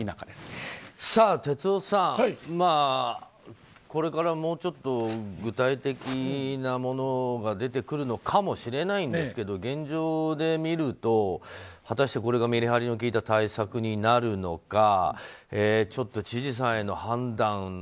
哲夫さん、これからもうちょっと具体的なものが出てくるのかもしれないんですけど現状で見ると、果たしてこれがメリハリの効いた対策になるのかちょっと知事さんへの判断